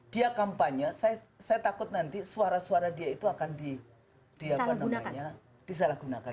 dia kampanye saya takut nanti suara suara dia itu akan disalahgunakan